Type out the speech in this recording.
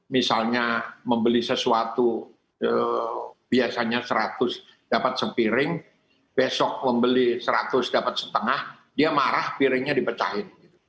misalnya membeli sesuatu biasanya seratus dapat sepiring besok membeli seratus dapat setengah dia marah piringnya dipecahin